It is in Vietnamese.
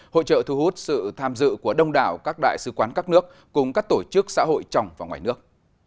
hội trợ thu hút sự tham dự của đông đảo các đại sứ quán các nước cùng các tổ chức xã hội trong và ngoài nước